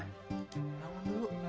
wan bangun dulu